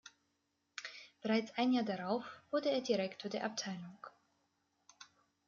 Bereits ein Jahr darauf wurde er Direktor der Abteilung.